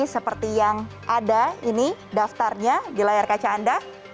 seperti yang ada ini daftarnya di layar kaca anda